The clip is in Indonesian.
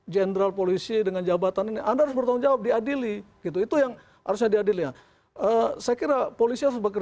jenderal polisi dengan jabatan ini